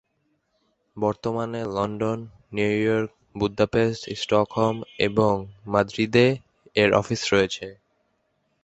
বর্তমানে London, New York, Budapest, Stockholm এবং মাদ্রিদে এর অফিস রয়েছে।